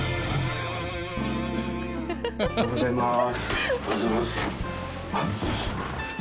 おはようございます。